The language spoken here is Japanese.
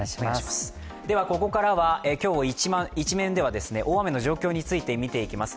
ここからは今日のイチメンでは大雨の状況について見ていきます。